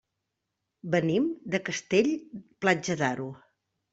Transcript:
Venim de Castell-Platja d'Aro.